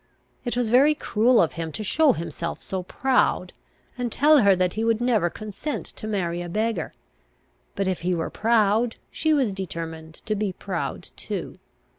It was very cruel of him to show himself so proud, and tell her that he would never consent to marry a beggar. But, if he were proud, she was determined to be proud too.